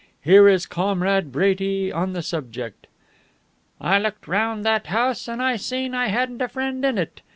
Here is Comrade Brady on the subject: 'I looked around that house, and I seen I hadn't a friend in it.